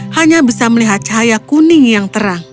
hanya bisa melihat cahaya kuning yang terang